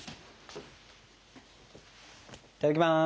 いただきます。